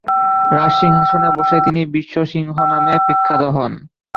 রাজসিংহাসনে বসে তিনি বিশ্ব সিংহ নামে বিখ্যাত হন।